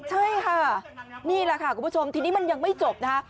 ใช่ค่ะนี่แหละค่ะคุณผู้ชมทีนี้มันยังไม่จบนะคะ